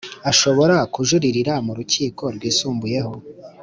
Ashobora kujuririra mu rukiko rwisumbuyeho